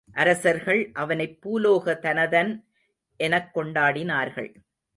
அரசர்கள் அவனைப் பூலோக தனதன் எனக் கொண்டாடினர்கள்.